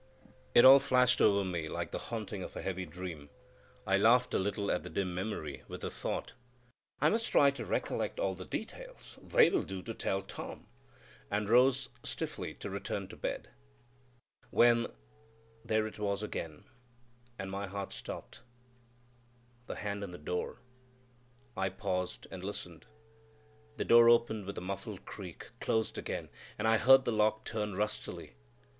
It all flashed over me like the haunting of a heavy dream. I laughed a little at the dim memory, with the thought, "I must try to recollect all the details; they will do to tell Tom," and rose stiffly to return to bed, when—there it was again, and my heart stopped,—the hand on the door. I paused and listened. The door opened with a muffled creak, closed again, and I heard the lock turn rustily.